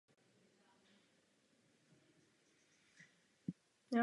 Městskou radnici užívají i volené orgány kantonu.